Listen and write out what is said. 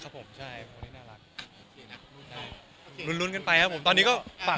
ผมตกลงต่อเพื่อนมาให้คุณพูด